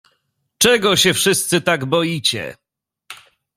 "Czego się wszyscy tak boicie!"